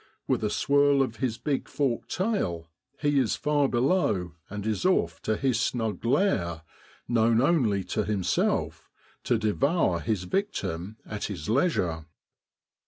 With a swirl of his big forked tail, he is far below and is off to his snug lair, known only to him self, to devour his victim at his leisure.